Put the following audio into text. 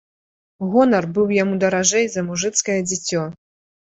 Гонар быў яму даражэй за мужыцкае дзіцё.